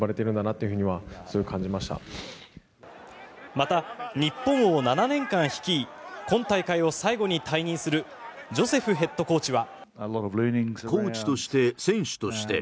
また、日本を７年間率い今大会を最後に退任するジョセフヘッドコーチは。